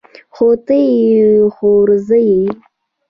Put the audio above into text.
خو ته يې خورزه يې.